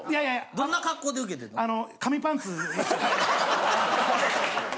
どんな格好で受けてんの。